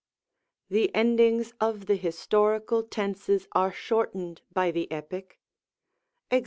The endings of the historical Tenses are shortened by the Epic, ^a?.